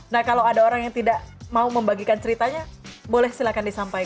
nah kalau ada orang yang tidak mau membagikan ceritanya boleh silahkan disampaikan